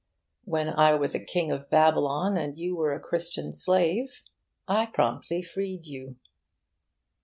When I was a king in Babylon and you were a Christian slave, I promptly freed you.